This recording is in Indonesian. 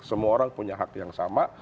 semua orang punya hak yang sama